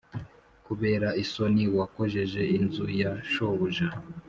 kubera isoni wakojeje inzu ya shobuja !